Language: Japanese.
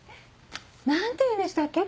何ていうんでしたっけ？